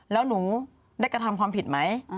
แล้วหนูได้กระทำความผิดไหม